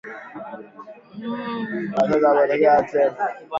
Ba soso abatoke tena